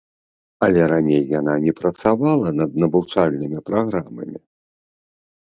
Але раней яна не працавала над навучальнымі праграмамі.